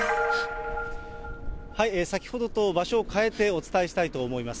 先ほどと場所を変えてお伝えしたいと思います。